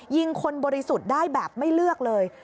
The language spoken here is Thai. ยิงคนบริสุทธิ์ได้แบบไม่เลือกเลย